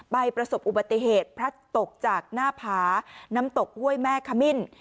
ประสบอุบัติเหตุพลัดตกจากหน้าผาน้ำตกห้วยแม่ขมิ้น